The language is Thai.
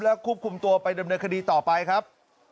แล้วควบคุมตัวไปดำเนินคดีต่อไปครับ